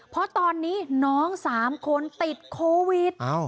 เพราะตอนนี้น้อง๓คนติดโควิด